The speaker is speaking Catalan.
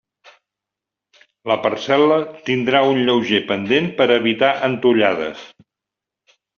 La parcel·la tindrà un lleuger pendent per a evitar entollades.